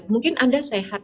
mungkin anda sehat